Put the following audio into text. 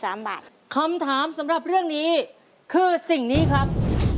สามบาทคำถามสำหรับเรื่องนี้คือสิ่งนี้ครับ